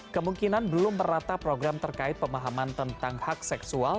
kemungkinan belum merata program terkait pemahaman tentang hak seksual